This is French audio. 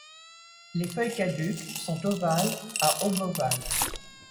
Les feuilles caduques sont ovales à obovales.